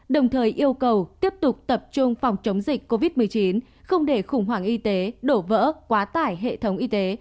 đồng thời yêu cầu tiếp tục tập trung phòng chống dịch covid một mươi chín không để khủng hoảng y tế đổ vỡ quá tải hệ thống y tế